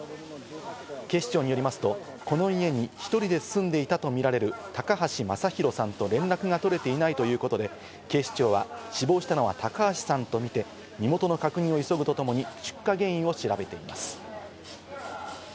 警視庁によりますと、この家に１人で住んでいたとみられる高橋昌宏さんと連絡が取れていないということで、警視庁は死亡したのは高橋さんとみて、身元の確認を急ぐとともに出火原因を調べています。